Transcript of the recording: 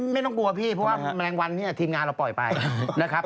ไม่ต้องกลัวพี่เพราะว่าแมลงวันเนี่ยทีมงานเราปล่อยไปนะครับ